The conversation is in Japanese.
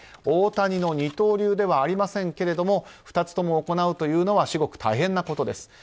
大谷の二刀流ではありませんけれども２つとも行うというのは至極大変なことです。